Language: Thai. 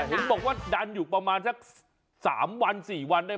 เห็นบอกว่าดันอยู่ประมาณถักสามวันสี่ไวท์